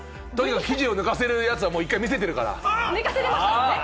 生地を寝かせるやつは１回見せてるから。